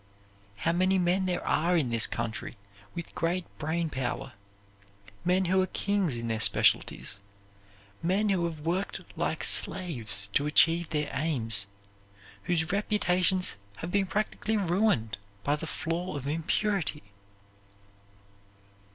How many men there are in this country with great brain power, men who are kings in their specialties, men who have worked like slaves to achieve their aims, whose reputations have been practically ruined by the flaw of impurity!